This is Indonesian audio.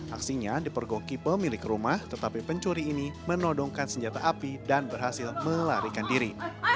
aksinya dipergoki pemilik rumah tetapi pencuri ini menodongkan senjata api dan berhasil melarikan diri